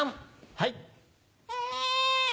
はい。